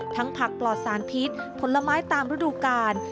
ทั้งผักปลอดสารพิษผลไม้ตามรูดุการ